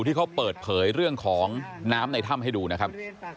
ที่เขาเปิดเผยเรื่องของน้ำในถ้ำให้ดูนะครับ